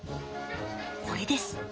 これです。